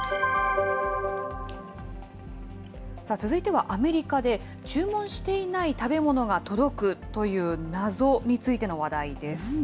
続いてはアメリカで、注文していない食べ物が届くという謎についての話題です。